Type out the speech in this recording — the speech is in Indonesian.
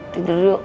kita tidur dulu